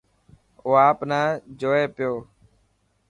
او آپ نا جوئي پيو.